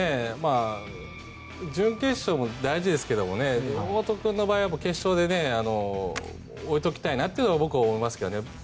準決勝も大事ですけど山本君の場合は決勝に置いておきたいなって僕は思いますけどね。